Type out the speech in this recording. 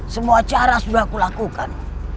semua cara sudah aku lakukan